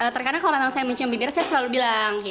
terkadang kalau memang saya mencium bibir saya selalu bilang